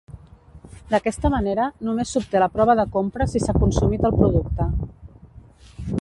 D'aquesta manera, només s'obté la prova de compra si s'ha consumit el producte.